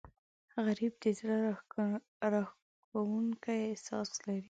غریب د زړه راښکونکی احساس لري